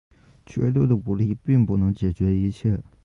绝对的武力并不能解决一切。